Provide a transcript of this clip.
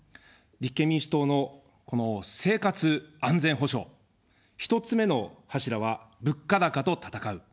立憲民主党の生活安全保障、１つ目の柱は物価高と戦う。